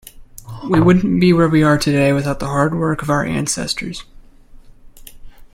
We wouldn't be where we are today without the hard work of our ancestors.